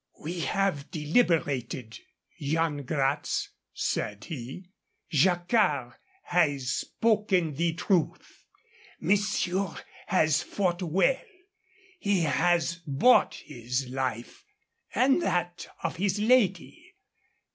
"We have deliberated, Yan Gratz," said he. "Jacquard has spoken the truth. Monsieur has fought well. He has bought his life, and that of his lady.